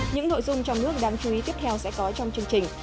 những nội dung trong nước đáng chú ý tiếp theo sẽ có trong chương trình